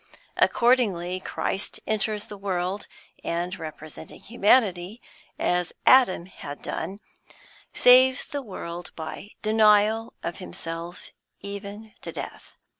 Accordingly, Christ enters the world, and, representing Humanity, as Adam had done, saves the world by denial, of Himself, even to death.